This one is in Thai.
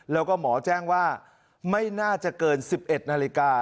แล้วก็หมอแจ้งว่าไม่น่าจะเกิน๑๑นาฬิกา